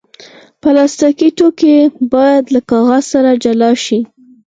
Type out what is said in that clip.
پلاستيکي توکي باید له کاغذ سره جلا شي.